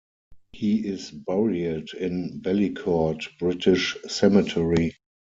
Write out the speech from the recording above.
He is buried in Bellicourt British Cemetery.